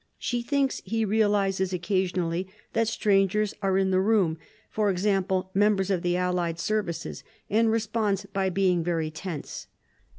She thinks he realizes occasionally that strangers are in the room; e. g., members of the Allied services, and responds by being very tense.